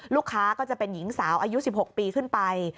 ลูกค้าก็จะเป็นหญิงสาวอายุ๑๖ปีขึ้นไป